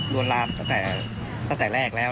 วนลามตั้งแต่แรกแล้ว